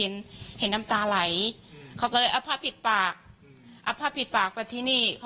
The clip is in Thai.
ซึ่งจะทำได้